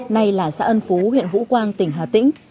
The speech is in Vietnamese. nay là xã ân phú huyện vũ quang tỉnh hà tĩnh